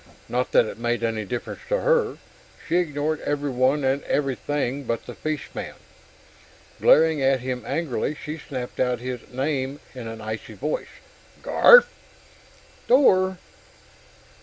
Not that it made any difference to her. She ignored everyone and everything but the fishman. Glaring at him angrily, she snapped out his name in an icy voice. "Garf!" "Dor!"